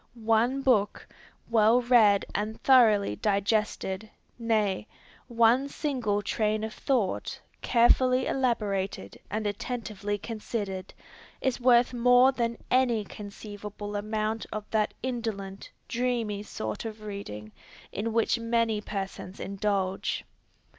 One book, well read and thoroughly digested, nay, one single train of thought, carefully elaborated and attentively considered, is worth more than any conceivable amount of that indolent, dreamy sort of reading in which many persons indulge.